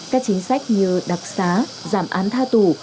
các chính sách như đặc xá giảm án tha tù